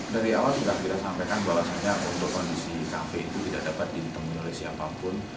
dari awal kita tidak sampaikan bahwa saja untuk kondisi kafe itu tidak dapat ditemui oleh siapapun